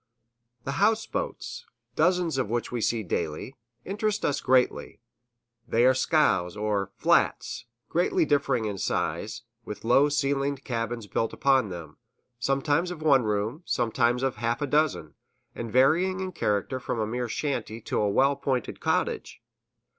The houseboats, dozens of which we see daily, interest us greatly. They are scows, or "flats," greatly differing in size, with low ceilinged cabins built upon them sometimes of one room, sometimes of half a dozen, and varying in character from a mere shanty to a well appointed cottage.